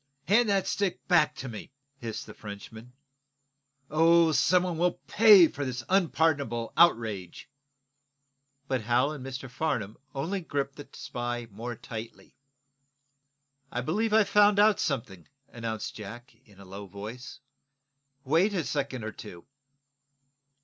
Hand that stick back to me!" hissed the Frenchman. "Oh, some one shall pay for this unpardonable outrage!" But Hal and Mr. Farnum only gripped the spy the more tightly. "I believe I've found out something," announced Jack, in a low voice. "Wait a second or two."